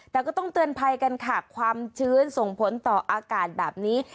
แต่ก็ต้องเตือนภัยกันค่ะความชื้นส่งผลต่ออากาศแบบนี้